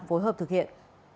phối hợp thực hiện